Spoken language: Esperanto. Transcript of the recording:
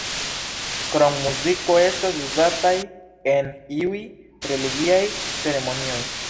Krom muziko estas uzataj en iuj religiaj ceremonioj.